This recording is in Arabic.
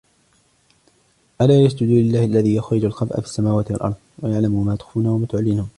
ألا يسجدوا لله الذي يخرج الخبء في السماوات والأرض ويعلم ما تخفون وما تعلنون